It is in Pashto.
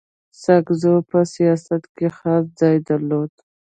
ساکزو په سیاست کي خاص ځای درلود.